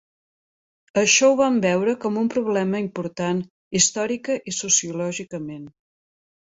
Això ho van veure com un problema important històrica i sociològicament.